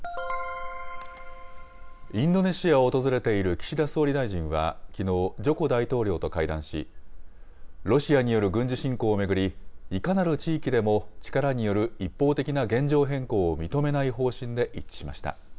インドネシアを訪れている岸田総理大臣は、きのう、ジョコ大統領と会談し、ロシアによる軍事侵攻を巡り、いかなる地域でも、力による一方的な現状変更を認めない方針で一致しました。